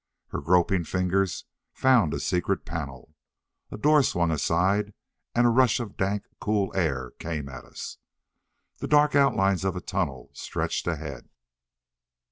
Her groping fingers found a secret panel. A door swung aside and a rush of dank cool air came at us. The dark outlines of a tunnel stretched ahead.